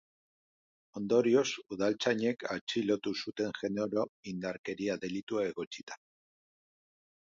Ondorioz, udaltzainek atxilotu zuten genero indarkeria delitua egotzita.